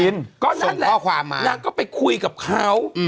นานก็ไปคุยกับเขา